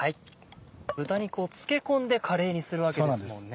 豚肉を漬け込んでカレーにするわけですもんね。